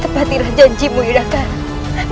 tepatilah janjimu yudha kara